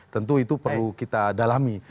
tentu itu perlu kita dalami